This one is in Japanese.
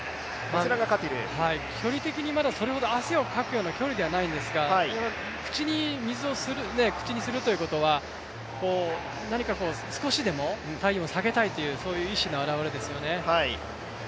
距離的にそれほど汗をかくような距離ではないんですが水を口にするということは何か少しでも体温を下げたいという意思の表れですよね。